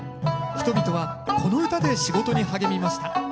人々はこの唄で仕事に励みました。